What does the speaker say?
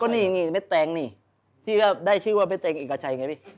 นี่เม็ดแตงนี่ที่ก็ได้ชื่อว่าเม็งเอกชัยไงพี่